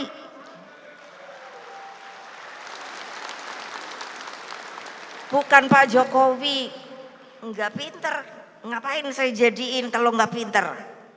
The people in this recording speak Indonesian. tapi bukan pak jokowi enggak pinter ngapain saya jadiin kalau enggak pinter